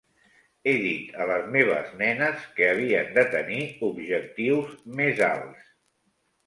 He dit a les meves nenes que havien de tenir objectius més alts.